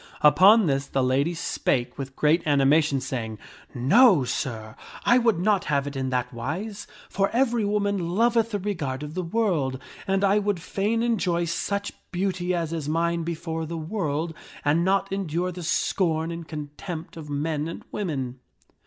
Upon this the lady spake with great animation, saying, " No, sir, I would not have it in that wise, for every woman loveth the regard of the world, and I would fain enjoy such beauty as is mine before the world, and not endure the scorn and contempt of men and women."